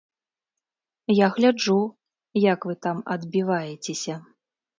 Я гляджу, як вы там адбіваецеся.